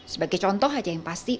sebagai contoh saja yang pasti